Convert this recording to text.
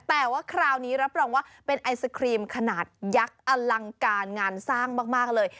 แต่ว่าคราวนี้รับรองว่าเป็นไอศครีมขนาดยักษ์อลังการงานสร้างมากเลย